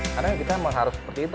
karena kita harus seperti itu